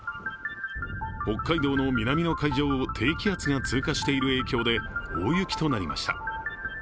北海道の南の海上を低気圧が通過している影響で大雪となりました。